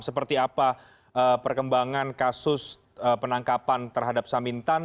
seperti apa perkembangan kasus penangkapan terhadap samintan